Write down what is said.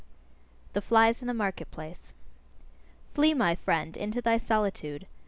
XII. THE FLIES IN THE MARKET PLACE. Flee, my friend, into thy solitude!